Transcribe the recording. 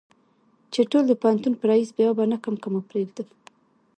چې ټول د پوهنتون په ريس بې آبه نه کم که مو پرېدم.